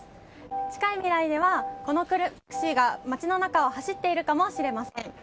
近い未来ではこのタクシーが街の中を走っているかもしれません。